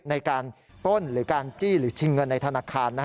ปล้นหรือการจี้หรือชิงเงินในธนาคาร